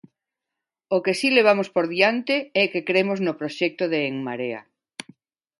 O que si levamos por diante é que cremos no proxecto de En Marea.